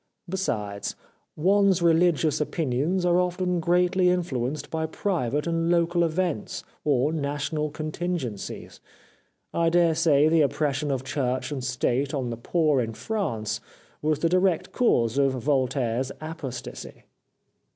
Besides, one's religious opinions are often greatly influ enced by private and local events or national contingencies. I daresay the oppression of Church and State on the poor in France was the direct cause of Voltaire's apostasy.'